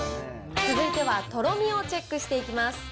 続いてはとろみをチェックしていきます。